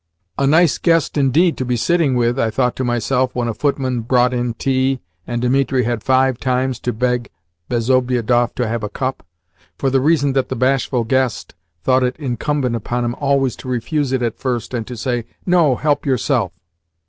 "A nice guest indeed to be sitting with!" I thought to myself when a footman brought in tea and Dimitri had five times to beg Bezobiedoff to have a cup, for the reason that the bashful guest thought it incumbent upon him always to refuse it at first and to say, "No, help yourself."